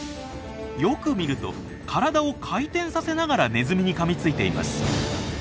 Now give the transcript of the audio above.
よく見ると体を回転させながらネズミにかみついています。